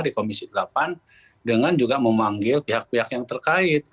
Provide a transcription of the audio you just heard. di komisi delapan dengan juga memanggil pihak pihak yang terkait